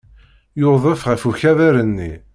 Yudef ɣer ukabar-nni.